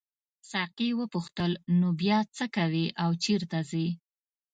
ساقي وپوښتل نو بیا څه کوې او چیرته ځې.